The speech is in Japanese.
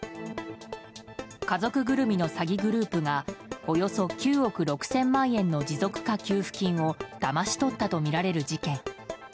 家族ぐるみの詐欺グループがおよそ９億６０００万円の持続化給付金をだまし取ったとみられる事件。